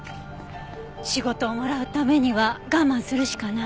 仕事をもらうためには我慢するしかない。